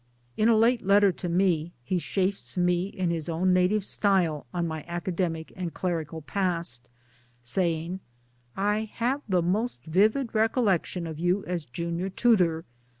In a late letter to me he chaffs me in his own native style on my academic and clerical past, saying " I have the most vivid recollection of you as Junior Tutor.